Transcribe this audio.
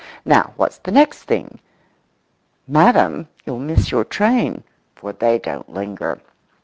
Now what's the next thing? "Madam, you'll miss your train," for they don't linger.